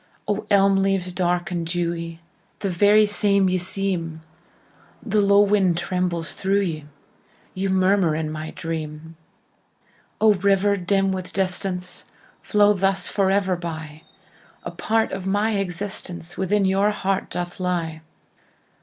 O, elm leaves dark and dewy, The very same ye seem, The low wind trembles through ye, Ye murmur in my dream!O, river, dim with distance, Flow thus forever by,A part of my existenceWithin your heart doth lie!